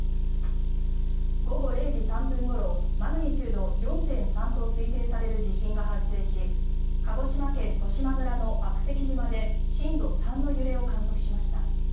午後０時３分ごろマグニチュード４．３と推定される地震が発生し鹿児島県十島村の悪石島で震度３の揺れを観測しました。